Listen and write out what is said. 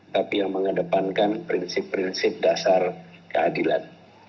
tapi yang mengedepankan prinsip prinsip dasar keadilan